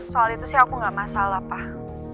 soal itu sih aku gak masalah pak